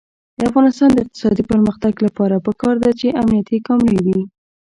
د افغانستان د اقتصادي پرمختګ لپاره پکار ده چې امنیتي کامرې وي.